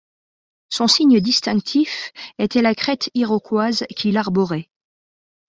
Son signe distinctif était la crête iroquoise qu'il arborait.